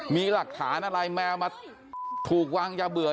มีหลักฐานอะไรแมวมาถูกวางยาเบื่อ